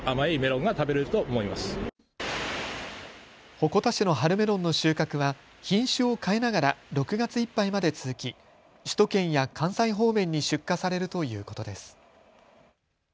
鉾田市の春メロンの収穫は品種を変えながら６月いっぱいまで続き首都圏や関西方面に出荷されるということです。